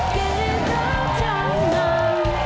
เกมรับทางน้ำ